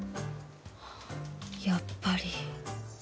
やっぱり。